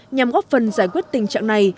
nhằm góp phần giải quyết tình trạng này